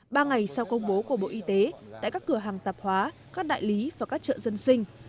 ba ngày sau công bố của bộ y tế tại các cửa hàng tạp hóa các đại lý và các chợ dân sinh